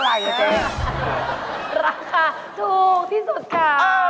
ราคาถูกที่สุดค่ะ